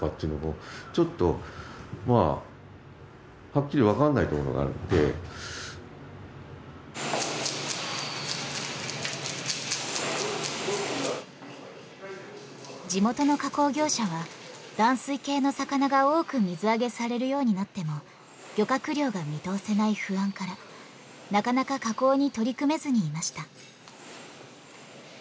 そこで売り上げの減少を補うために注目したのが今年しかし地元の加工業者は暖水系の魚が多く水揚げされるようになっても漁獲量が見通せない不安からなかなか加工に取り組めずにいました。